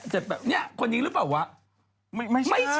เจ็บแบบนี้คนนี้หรือเปล่าวะไม่ใช่ไม่ใช่